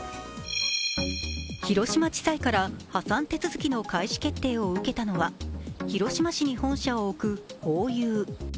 広島地裁から破産手続きの開始決定を受けたのは、広島市に本社を置くホーユー。